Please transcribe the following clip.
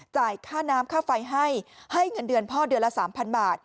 จ่ายค่าน้ำค่าไฟให้ให้เงินเดือนพ่อเดือนละ๓๐๐บาท